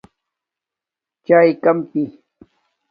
چایے کم پی